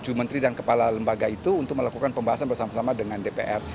jadi tujuh menteri dan kepala lembaga itu untuk melakukan pembahasan bersama sama dengan dpr